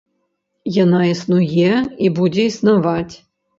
Яна існуе і будзе існаваць.